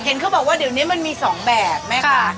เขาบอกว่าเดี๋ยวนี้มันมี๒แบบไหมคะ